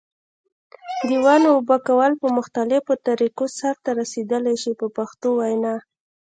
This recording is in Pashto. د ونو اوبه کول په مختلفو طریقو سرته رسیدلای شي په پښتو وینا.